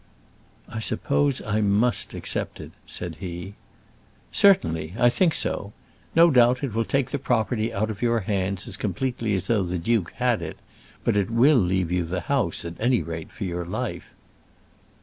"I suppose I must accept it," said he. "Certainly, I think so. No doubt it will take the property out of your own hands as completely as though the duke had it, but it will leave you the house, at any rate, for your life."